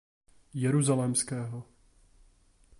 Jeruzalémského.